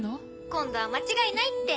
今度は間違いないって。